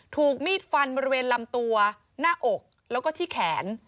ถูกมีดฟันบริเวณลำตัวหน้าอกแล้วก็ที่แขน